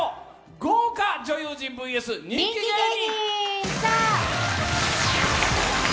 豪華女優陣ＶＳ人気芸人！